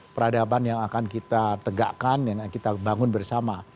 peradaban yang akan kita tegakkan yang akan kita bangun bersama